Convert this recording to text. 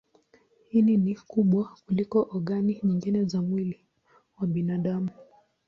Ini ni kubwa kuliko ogani nyingine za mwili wa binadamu.